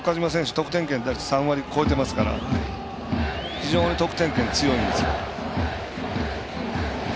得点圏の打率３割超えてますから非常に得点圏、強いんですよ。